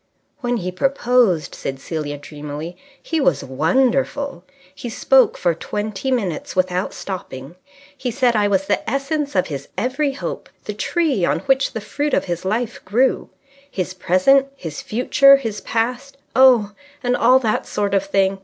"When he proposed," said Celia dreamily, "he was wonderful. He spoke for twenty minutes without stopping. He said I was the essence of his every hope, the tree on which the fruit of his life grew; his Present, his Future, his Past ... oh, and all that sort of thing.